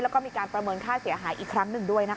แล้วก็มีการประเมินค่าเสียหายอีกครั้งหนึ่งด้วยนะคะ